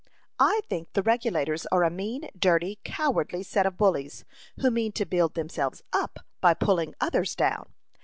I think the Regulators are a mean, dirty, cowardly set of bullies, who mean to build themselves up by pulling others down.